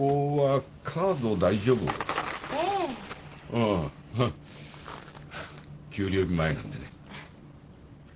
ううん給料日前なんでね。